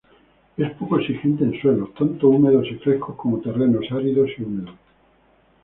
Es poco exigente en suelos, tanto húmedos y frescos como terrenos áridos y húmedos.